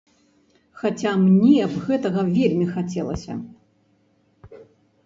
Хаця мне б гэтага вельмі хацелася.